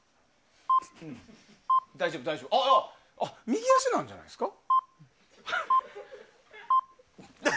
右足なんじゃないですか？